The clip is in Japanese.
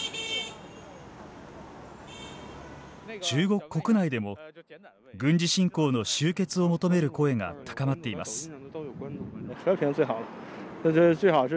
中国国内でも軍事侵攻の終結を求める声が高まっています。